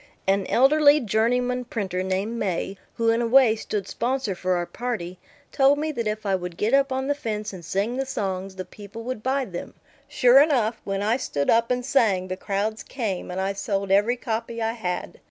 An elderly journeyman printer named May, who in a way stood sponsor for our party, told me that if I would get up on the fence and sing the songs, the people would buy them. Sure enough, when I stood up and sang the crowds came, and I sold every copy I had.